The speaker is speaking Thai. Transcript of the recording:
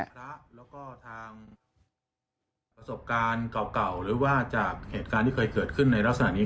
พระแล้วก็ทางประสบการณ์เก่าหรือว่าจากเหตุการณ์ที่เคยเกิดขึ้นในลักษณะนี้